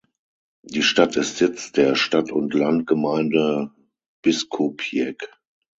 Die Stadt ist Sitz der Stadt-und-Land-Gemeinde Biskupiec.